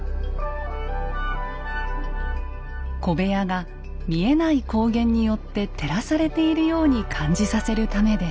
小部屋が見えない光源によって照らされているように感じさせるためです。